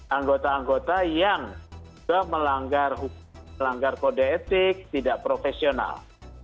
anggota anggota yang juga melanggar kode etik tidak profesional